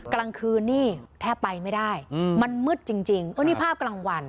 กลางคืนนี่แทบไปไม่ได้อืมมันมืดจริงจริงอันนี้ภาพกลางวัน